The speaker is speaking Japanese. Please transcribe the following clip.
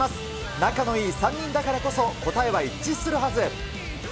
仲のいい３人だからこそ、答えは一致するはず。